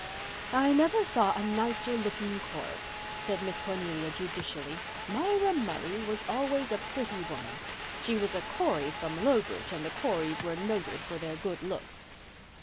"I never saw a nicer looking corpse," said Miss Cornelia judicially. "Myra Murray was always a pretty woman—she was a Corey from Lowbridge and the Coreys were noted for their good looks."